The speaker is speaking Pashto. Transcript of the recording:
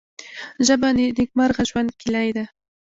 ژبه د نیکمرغه ژوند کلۍ ده